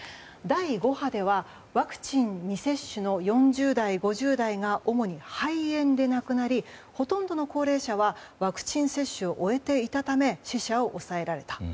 第５波ではワクチン未接種の４０代、５０代が主に肺炎で亡くなりほとんどの高齢者はワクチン接種を終えていたため死者を抑えられた。